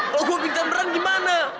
kalau gue pingsan merah gimana